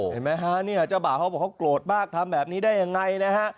เห็นไหมฮะเจ้าบ่าเขาบอกเขากลดมากทำแบบนี้ได้อย่างไรนะฮะ